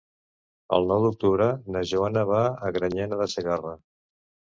El nou d'octubre na Joana va a Granyena de Segarra.